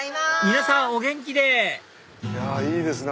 皆さんお元気でいいですね